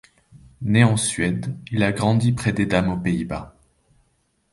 Né en Suède, il a grandi près d'Edam aux Pays-Bas.